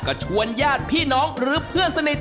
ก็ชวนญาติพี่น้องหรือเพื่อนสนิท